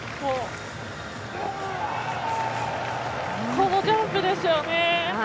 このジャンプですよね。